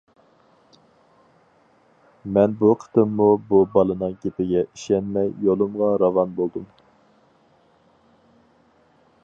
مەن بۇ قېتىممۇ بۇ بالىنىڭ گېپىگە ئىشەنمەي يولۇمغا راۋان بولدۇم.